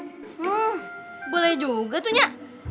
hmm boleh juga tuh nyak